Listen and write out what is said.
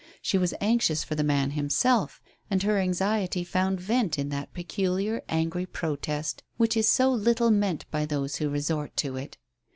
She was anxious for the man himself, and her anxiety found vent in that peculiar angry protest which is so little meant by those who resort to it.